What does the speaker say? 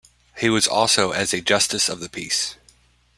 He was also as a Justice of the Peace.